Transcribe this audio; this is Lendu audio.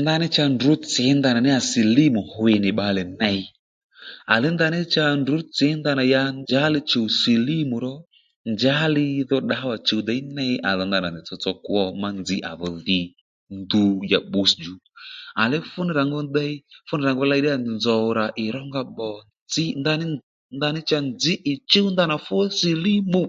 Ndaní cha ndrǔ tsǐ ndanà sìlímù hwi nì bbalè ney aní ndaní ndrǔ tsǐ ndanà ya njàddí li chùw sìlímù ro njǎli dho ddǎwà chùw děy ney à rǎ ndanà ndèy tsotso kwo ma nzǐ à dho dhì ndu ya bbǔtss djú àní fúnì rà ngu dey fúnì rà ngu ley nzòw rà ì rónga pbò ndaní nzǐ ì chǔw ndanà fú sìlímù